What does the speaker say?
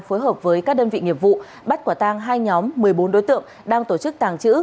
phối hợp với các đơn vị nghiệp vụ bắt quả tang hai nhóm một mươi bốn đối tượng đang tổ chức tàng trữ